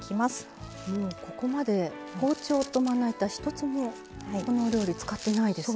ここまで包丁とまな板一つもこのお料理使ってないですね。